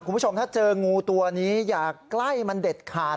คุณผู้ชมถ้าเจองูตัวนี้อย่าใกล้มันเด็ดขาด